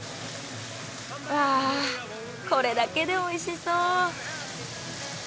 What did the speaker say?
うわこれだけでおいしそう。